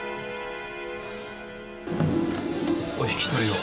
お引き取りを。